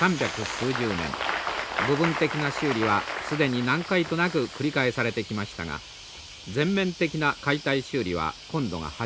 部分的な修理は既に何回となく繰り返されてきましたが全面的な解体修理は今度が初めて。